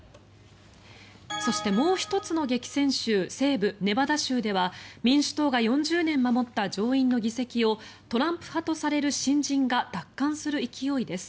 そしてもう１つの激戦州西部ネバダ州では民主党が４０年守った上院の議席をトランプ派とされる新人が奪還する勢いです。